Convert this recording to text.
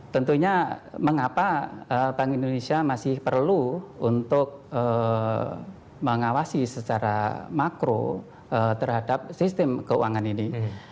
tentunya mengapa bank indonesia masih perlu untuk mengawasi secara makro terhadap sistem keuangan ini